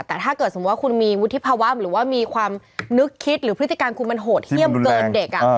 แต่ถ้าเกิดสมมุติว่าคุณมีวุฒิภาวะหรือว่ามีความนึกคิดหรือพฤติการคุณมันโหดเยี่ยมเกินเด็ก